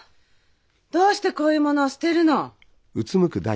どうしてこういうものを捨てるの？